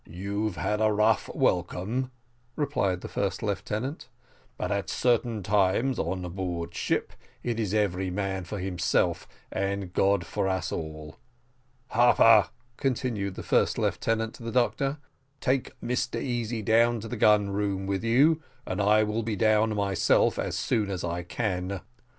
"You've had but a rough welcome," replied the first lieutenant, "but at certain times, on board ship, it is every man for himself, and God for us all. Harpur," continued the first lieutenant to the doctor, "take Mr Easy down in the gun room with you, and I will be down myself as soon as I can.